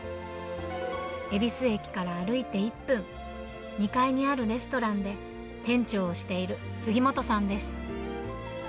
恵比寿駅から歩いて１分、２階にあるレストランで、店長をしている杉本さんです。